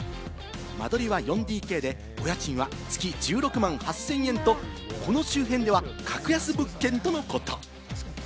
間取りは４ＤＫで、お家賃は月１６万８０００円と、この周辺では格安物件とのこと。